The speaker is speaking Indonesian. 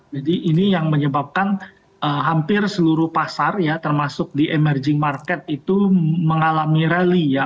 jadi ini yang menyebabkan hampir seluruh pasar ya termasuk di emerging market itu mengalami rally ya